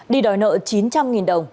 đi đòi nợ chín trăm linh đồng